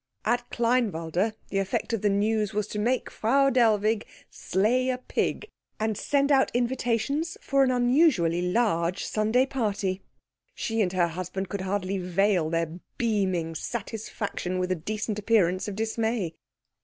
At Kleinwalde the effect of the news was to make Frau Dellwig slay a pig and send out invitations for an unusually large Sunday party. She and her husband could hardly veil their beaming satisfaction with a decent appearance of dismay.